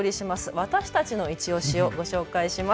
私たちのいちオシを紹介します。